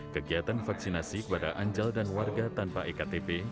kegiatan vaksinasi kepada anjal dan warga tanpa ektp